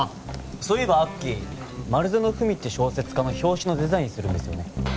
そういえばアッキー丸園ふみって小説家の表紙のデザインするんですよね